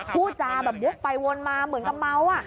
พูดจาแบบวกไปวนมาเหมือนกับเมาอ่ะ